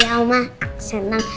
ya omah aku senang